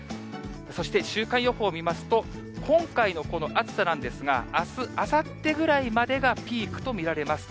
そして週間予報見ますと、今回のこの暑さなんですが、あす、あさってぐらいまでがピークと見られます。